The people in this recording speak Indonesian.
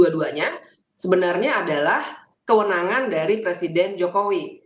apa yang dijelaskan terprobanya sebenarnya adalah kewenangan dari presiden jokowi